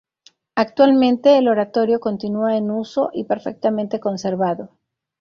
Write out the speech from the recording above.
Actualmente, el oratorio continua en uso y perfectamente conservado.